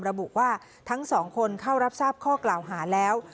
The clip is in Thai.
ระบุว่าทั้งสองคนเข้ารับทราบข้อกล่าวหาแล้ว